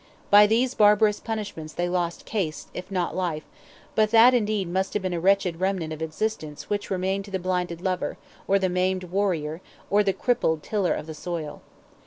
By these barbarous punishments they lost caste, if not life; but that indeed must have been a wretched remnant of existence which remained to the blinded lover, or the maimed warrior, or the crippled tiller of the soil.